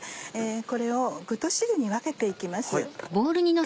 これを具と汁に分けて行きます。